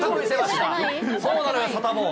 そうなのよ、サタボー。